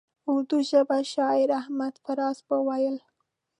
اردو ژبي شاعر احمد فراز به ویل.